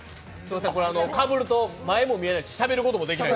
これ、かぶると前も見えないししゃべることもできない。